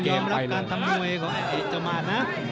ต้องยอมรับการทำมวยของไอ้จมันนะ